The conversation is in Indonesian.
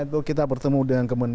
itu kita bertemu dengan